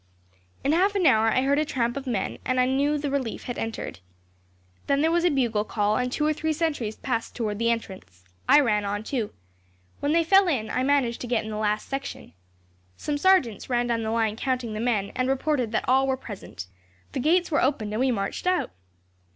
"In half an hour I heard a tramp of men, and knew the relief had entered. Then there was a bugle call, and two or three sentries passed towards the entrance. I ran on, too. When they fell in, I managed to get in the last section. Some sergeants ran down the line counting the men, and reported that all were present. The gates were opened, and we marched out.